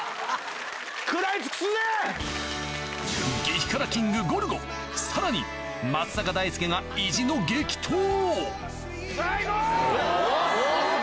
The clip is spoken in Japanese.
激辛キングゴルゴさらに松坂大輔がさぁ行こう！